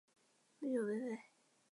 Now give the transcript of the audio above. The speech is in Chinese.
不久被废。